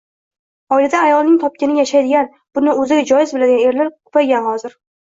Oilada ayolning topganiga yashaydigan, buni o‘ziga joiz biladigan erlar ko‘paygan hozir.